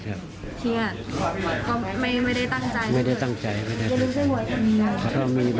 เครียดครับไม่ได้ตั้งใจนะครับอย่างนี้